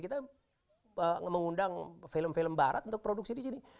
kita mengundang film film barat untuk produksi di sini